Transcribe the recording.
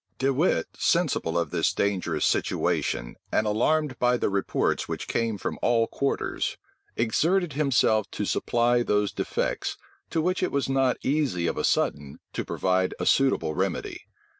De Wit, sensible of this dangerous situation, and alarmed by the reports which came from all quarters, exerted himself to supply those defects to which it was not easy of a sudden to provide a suitable remedy.